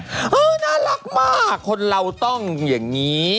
น่ารักมากคนเราต้องอย่างนี้